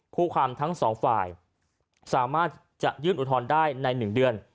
คู่ความทั้งสองฝ่ายสามารถจะยื่นอุทธรณ์ได้ใน๑เดือน